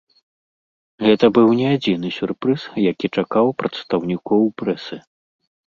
Гэта быў не адзіны сюрпрыз, які чакаў прадстаўнікоў прэсы.